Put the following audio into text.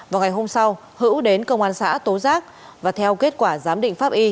vào ngày hôm sau hữu đến công an xã tố giác và theo kết quả giám định pháp y